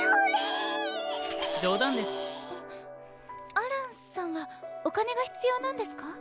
アランさんはお金が必要なんですか？